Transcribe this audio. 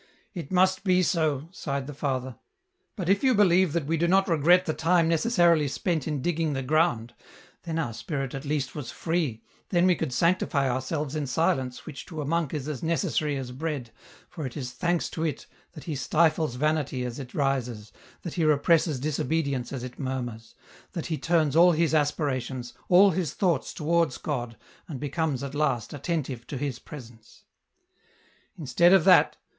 311 It must be so," sighed the father, "but if you believe that we do not regret the time necessarily spent in digging the ground 1 then our spirit at least was free, then we could sanctify ourselves in silence which to a monk is as necessary as bread, for it is thanks to it, that he stifles vanity as it rises, that he represses disobedience as it murmurs, that he turns all his aspirations, all his thoughts towards God, and becomes at last attentive to His presence. " Instead of that